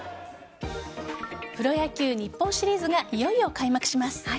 プロ野球日本シリーズがいよいよ開幕します。